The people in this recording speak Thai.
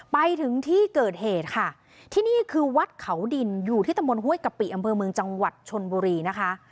ไปถึงที่เกิดเหตุค่ะที่นี่คือวัดเขาดินอยู่ที่ตำบลห้วยกะปิอำเภอเมืองจังหวัดชนบุรีนะคะ